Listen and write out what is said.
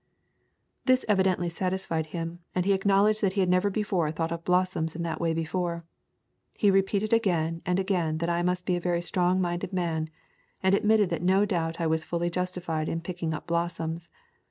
'" This evidently satisfied him, and he acknowl edged that he had never thought of blossoms in that way before. He repeated again and again that I must be a very strong minded man, and admitted that no doubt I was fully justified in picking up blossoms.